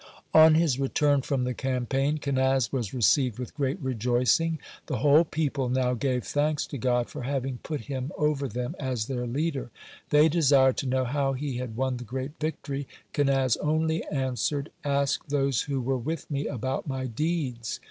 On his return from the campaign, Kenaz was received with great rejoicing. The whole people now gave thanks to God for having put him over them as their leader. They desired to know how he had won the great victory. Kenaz only answered: "Ask those who were with me about my deeds."